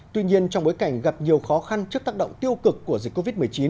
tuy nhiên trong bối cảnh gặp nhiều khó khăn trước tác động tiêu cực của dịch covid một mươi chín